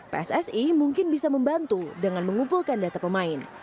pssi mungkin bisa membantu dengan mengumpulkan data pemain